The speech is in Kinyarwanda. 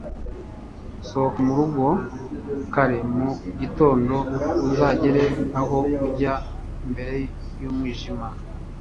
Sohoka mu rugo kare mu gitondo uzagera aho ujya mbere yumwijima